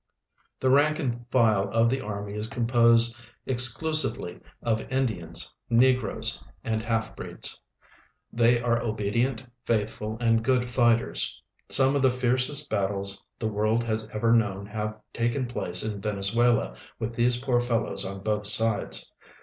The rank and file of the army is composed exclusively of In dians, negroes, and half breeds. They are obedient, faithful, and good fighters. Some of the fiercest battles the world has ever known have taken place in Venezuela with these poor fellows on both sides.